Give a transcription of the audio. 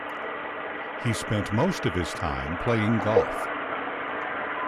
He spent most of his time playing golf.